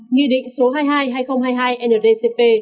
nghị định số hai mươi hai hai nghìn hai mươi hai ndcp